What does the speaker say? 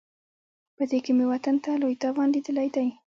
په دې کې مې وطن ته لوی تاوان لیدلی دی.